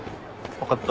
分かった。